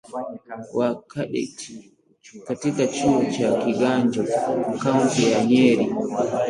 wa Cardet katika chuo cha Kiganjo kaunti ya Nyeri